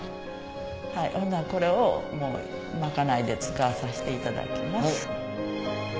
これをまかないで使わさせていただきます。